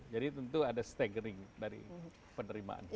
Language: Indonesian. jadi tentu ada staggering dari penerimaan